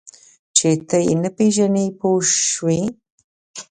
چې ته یې نه پېژنې پوه شوې!.